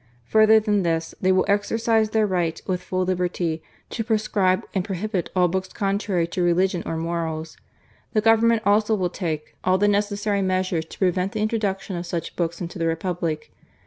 Further than this, they will exercise their right, with full liberty, to proscribe and prohibit all books contrary to religion or morals. The Government also will take all the THE CONCORDAT. 117 necessary measures to prevent the introduction of such books into the Republic.